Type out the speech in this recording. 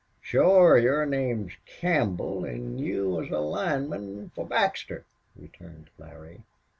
"Shore. Your name's Campbell an' you was a lineman for Baxter," returned Larry.